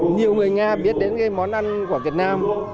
nhiều người nga biết đến cái món ăn của việt nam